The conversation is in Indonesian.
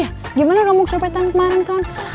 bagaimana kamu kecopetan kemarin son